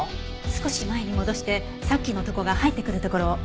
少し前に戻してさっきの男が入ってくるところを。